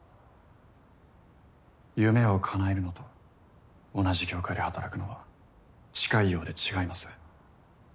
夢をかなえるのと同じ業界で働くのは近いようで違います。